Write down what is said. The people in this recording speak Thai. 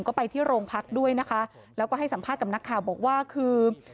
ก็ไปที่โรงพักด้วยนะคะแล้วก็ให้สัมภาษณ์กับนักข่าวบอกว่าคือ